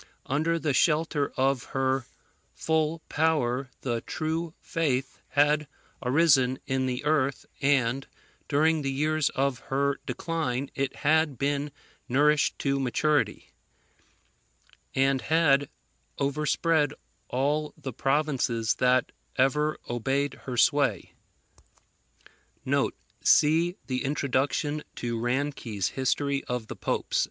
Under the shelter of her full power the True Faith had arisen in the earth and during the years of her decline it had been nourished to maturity, and had overspread all the provinces that ever obeyed her sway. [See the Introduction to Ranke's History of the Popes.